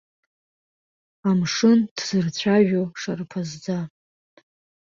Амшын ҭзырцәажәо шарԥазӡа.